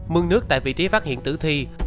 mương nước tại vị trí phát hiện tử thi